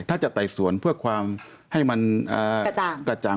ถ้าจะไต่สวนเพื่อความให้มันกระจ่าง